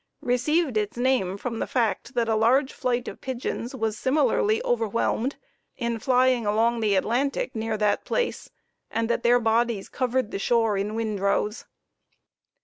received its name from the fact that a large flight of pigeons was similarly overwhelmed in flying along the Atlantic near that place, and that their bodies covered the shore in "windrows."